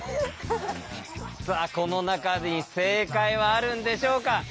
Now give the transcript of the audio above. さあこの中に正解はあるんでしょうか？